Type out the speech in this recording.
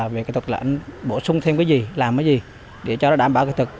về kỹ thuật là anh bổ sung thêm cái gì làm cái gì để cho nó đảm bảo kỹ thuật